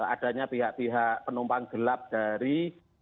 adanya pihak pihak penumpang gelap dari